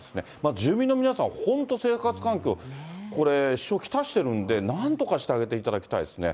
住民の皆さん、本当、生活環境、これ、来してるんで、なんとかしてあげていただきたいですね。